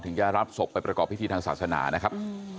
จะรับศพไปประกอบพิธีทางศาสนานะครับ